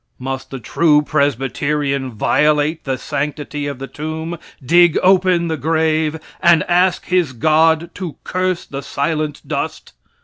Must the true Presbyterian violate the sanctity of the tomb, dig open the grave, and ask his God to curse the silent dust?